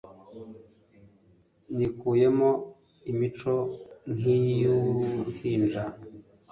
nikuyemo imico nk iy uruhinja